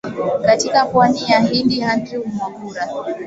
katika pwani ya hindi andrew mwagura